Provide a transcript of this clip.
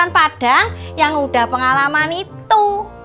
di restoran padang yang udah pengalaman itu